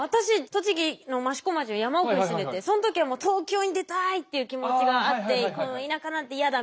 栃木の益子町の山奥に住んでてそん時はもう東京に出たいっていう気持ちがあってこの田舎なんて嫌だみたいな。